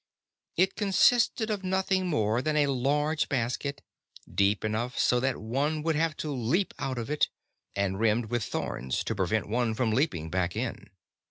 It consisted of nothing more than a large basket, deep enough so that one would have to leap out of it, and rimmed with thorns to prevent one from leaping back in.